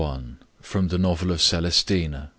FROM THE NOVEL OF CELESTINA.